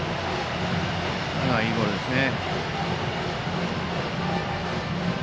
今のはいいボールですね。